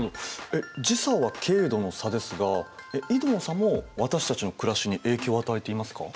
えっ時差は経度の差ですが緯度の差も私たちの暮らしに影響を与えていますか？